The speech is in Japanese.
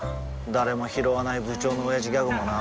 誰もひろわない部長のオヤジギャグもな